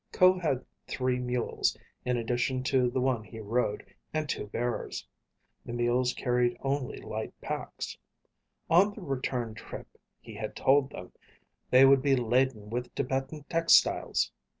Ko had three mules, in addition to the one he rode, and two bearers. The mules carried only light packs. On the return trip, he had told them, they would be laden with Tibetan textiles.